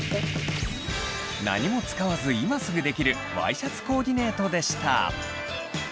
何も使わず今すぐできるワイシャツコーディネートでした。